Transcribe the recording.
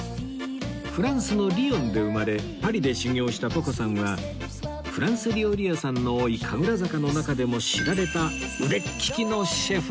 フランスのリヨンで生まれパリで修業したポコさんはフランス料理屋さんの多い神楽坂の中でも知られた腕利きのシェフなんです